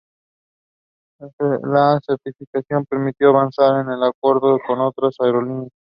La certificación permitió avanzar en acuerdos con otras aerolíneas.